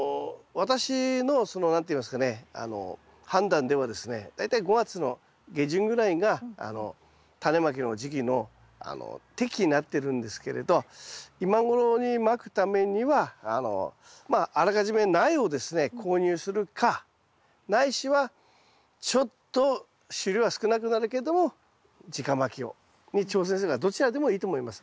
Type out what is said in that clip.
私のその何て言いますかね判断ではですね大体５月の下旬ぐらいがタネまきの時期の適期になってるんですけれど今頃にまくためにはまああらかじめ苗をですね購入するかないしはちょっと収量は少なくなるけども直まきに挑戦するかどちらでもいいと思います。